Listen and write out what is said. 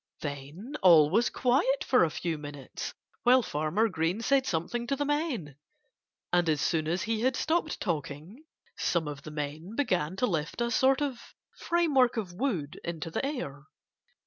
Then all was quiet for a few minutes while Farmer Green said something to the men. And as soon as he had stopped talking some of the men began to lift a sort of framework of wood into the air.